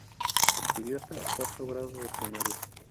Estudió hasta cuarto grado de primaria.